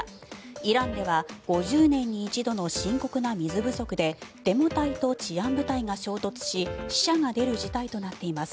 イランでは５０年に一度の深刻な水不足でデモ隊と治安部隊が衝突し死者が出る事態となっています。